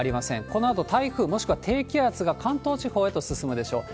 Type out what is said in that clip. このあと台風、もしくは低気圧が関東地方へと進むでしょう。